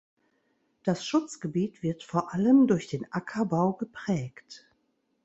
Das Schutzgebiet wird vor allem durch den Ackerbau geprägt.